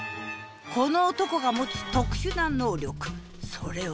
この男が持つ特殊な「能力」それは。